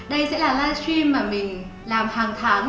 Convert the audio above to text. đây sẽ là live stream mà mình làm hàng tháng